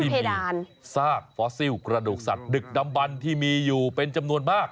เพดานซากฟอสซิลกระดูกสัตว์ดึกดำบันที่มีอยู่เป็นจำนวนมาก